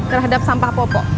terhadap sampah popok